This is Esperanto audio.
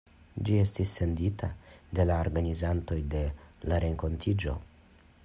Ĝi estas sendita de la organizantoj de la renkontiĝo.